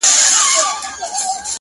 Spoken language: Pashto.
او که يې اخلې نو آدم اوحوا ولي دوه وه ـ